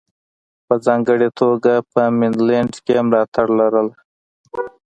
په ځانګړې توګه په منډلینډ کې یې ملاتړي لرل.